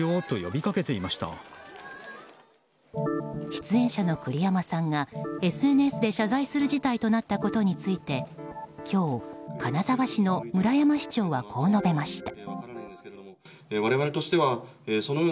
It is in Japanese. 出演者の栗山さんがＳＮＳで謝罪する事態となったことについて今日、金沢市の村山市長はこう述べました。